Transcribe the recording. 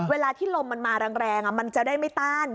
เวลาที่ลมมันมาแรงมันจะได้ไม่ต้าน